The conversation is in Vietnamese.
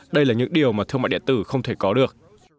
đây là những điều mà thương mại điện tử không thể có được